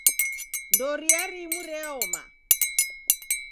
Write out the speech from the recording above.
Ndoria rimu reoma